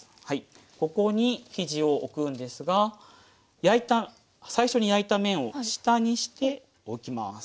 ここに生地を置くんですが焼いた最初に焼いた面を下にして置きます。